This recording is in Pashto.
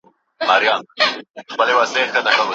د انټرنیټي زده کړي ازمویني له حضوري ازموینو څه توپیر لري؟